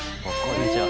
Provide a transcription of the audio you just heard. こんにちは。